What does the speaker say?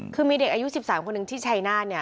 คือมีเด็กอายุ๑๓คนหนึ่งที่ชัยนาธเนี่ย